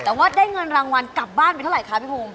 แต่ว่าได้เงินรางวัลกลับบ้านไปเท่าไหร่คะพี่ภูมิ